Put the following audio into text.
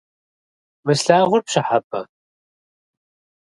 Мы слъагъур пщӏыхьэпӏэ?